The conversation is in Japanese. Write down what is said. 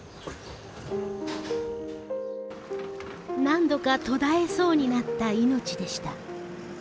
何度か途絶えそうになった命でした。